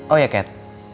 oh ya kat